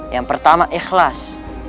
yang pertama ikhlas